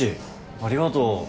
ありがとう。